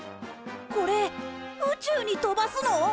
これ宇宙に飛ばすの！？